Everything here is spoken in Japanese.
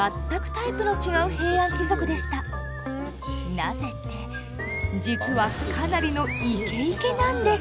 なぜって実はかなりのイケイケなんです。